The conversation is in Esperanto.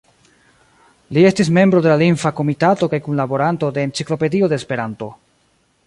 Li estis membro de la Lingva Komitato kaj kunlaboranto de "Enciklopedio de Esperanto".